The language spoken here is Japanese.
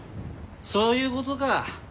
そういうことか。